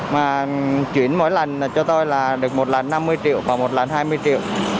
mà chuyển mỗi lần cho tôi là được một lần năm mươi triệu và một lần hai mươi triệu